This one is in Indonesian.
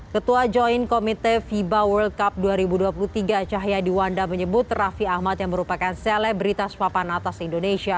ketua joint komite fiba world cup dua ribu dua puluh tiga cahyadi wanda menyebut raffi ahmad yang merupakan selebritas papan atas indonesia